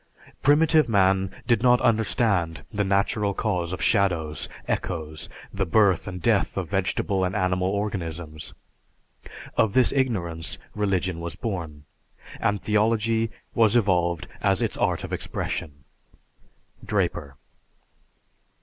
"Primitive man did not understand the natural cause of shadows, echoes, the birth and death of vegetable and animal organisms. Of this ignorance religion was born, and theology was evolved as its art of expression." (_Draper.